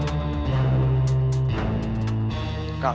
kau ian adriana kecelakaan